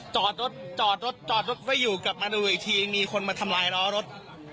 จอดรถจอดรถจอดรถไว้อยู่กลับมาดูอีกทีมีคนมาทำลายล้อรถ